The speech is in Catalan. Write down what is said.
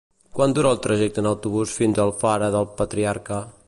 Quant dura el trajecte en autobús fins a Alfara del Patriarca?